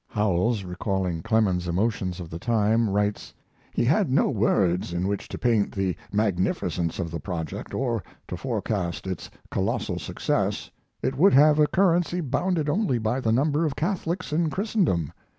Howells, recalling Clemens's emotions of this time, writes: He had no words in which to paint the magnificence of the project or to forecast its colossal success. It would have a currency bounded only by the number of Catholics in Christendom.